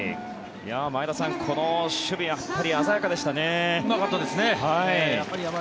前田さん、この守備やっぱり鮮やかでしたね。